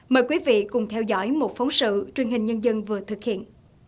mời quý vị cùng theo dõi một phóng sự truyền hình nhân dân vừa thực hiện